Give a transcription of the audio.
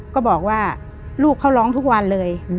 ก็บอกว่าลูกเขาร้องทุกวันเลย